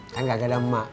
kan gak ada emak